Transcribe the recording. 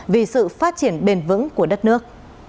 vì sự phát triển bền vững của đất nước